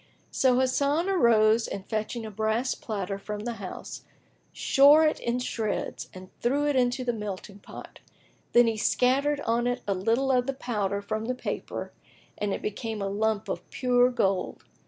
So Hasan arose and fetching a brass platter from the house, shore it in shreds and threw it into the melting pot; then he scattered on it a little of the powder from the paper and it became a lump of pure gold.